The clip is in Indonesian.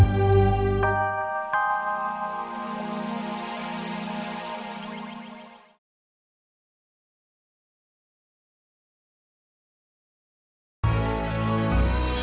sampai jumpa lagi